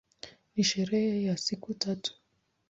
Ni sherehe ya siku tatu.